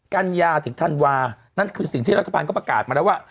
กัญญาถึงธันวานั่นคือสิ่งที่รัฐบาลก็ประกาศมาแล้วว่า